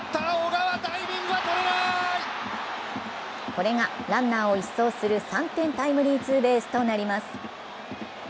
これがランナーを一掃する３点タイムリーツーベースとなります。